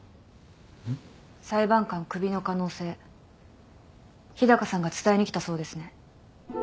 裁判官クビの可能性日高さんが伝えに来たそうですね。